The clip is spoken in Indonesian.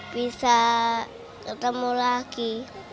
bisa ketemu lagi